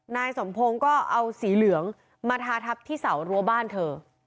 นายสมพงศ์ก็เอาสีเหลืองมาทาทับที่เสารั้วบ้านเธอ